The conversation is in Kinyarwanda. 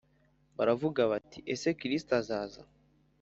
baravuga bati ese Kristo azaza